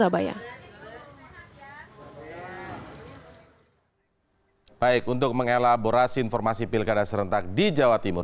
baik untuk mengelaborasi informasi pilkada serentak di jawa timur